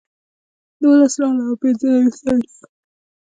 دولس ډالره او پنځه نوي سنټه